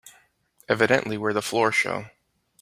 Evidently we're the floor show.